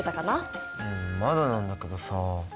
うんまだなんだけどさ。